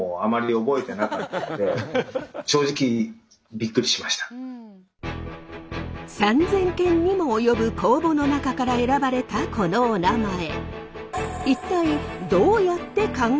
ビル管理会社に勤める３，０００件にも及ぶ公募の中から選ばれたこのおなまえ。